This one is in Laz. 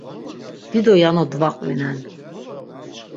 Dido yano dvaqvinen.